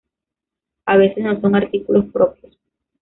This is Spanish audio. A veces no son artículos propios